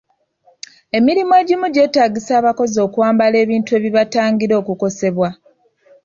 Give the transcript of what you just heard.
Emirimu egimu gyeetaagisa abakozi okwambala ebintu ebibatangira okukosebwa.